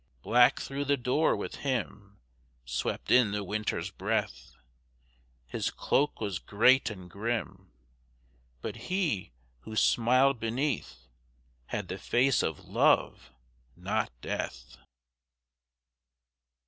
_ Black through the door with him Swept in the Winter's breath; His cloak was great and grim But he, who smiled beneath, Had the face of Love not Death.